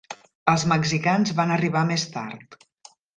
Els mexicans van arribar més tard.